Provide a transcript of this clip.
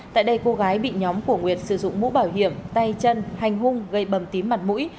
tại đây cô gái bị nhóm của nguyệt sử dụng mũ bảo hiểm tay chân hành hung gây bầm tím mặt mũi